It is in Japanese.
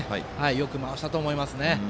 よく回したと思います。